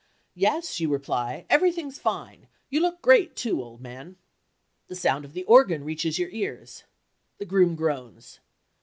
"Yes," you reply. "Everything's fine. You look great, too, old man." The sound of the organ reaches your ears. The groom groans.